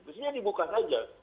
mestinya dibuka saja